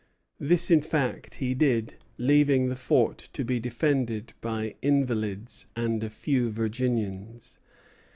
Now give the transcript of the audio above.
This, in fact, he did, leaving the fort to be defended by invalids and a few Virginians.